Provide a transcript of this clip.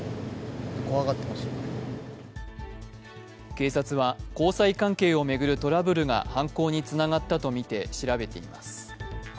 警察は交際関係を巡るトラブルが犯行につながったとみて調べています。